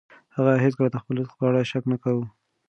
هغه هیڅکله د خپل رزق په اړه شک نه کاوه.